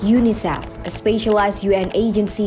unicef agensi un yang spesialisasi